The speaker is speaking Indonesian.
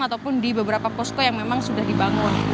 ataupun di beberapa posko yang memang sudah dibangun